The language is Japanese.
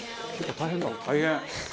大変。